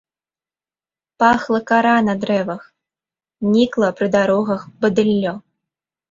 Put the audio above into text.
Пахла кара на дрэвах, нікла пры дарогах бадыллё.